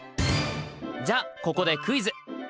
じゃあここでクイズ！